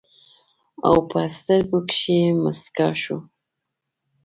او پۀ سترګو کښې مسکے شو